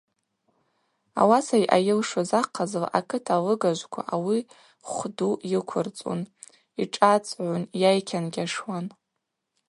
Ауаса йъайылшуз ахъазла акыт алыгажвква ауи хвы ду йыквырцӏун, йшӏацӏгӏун, йайкьангьашуан.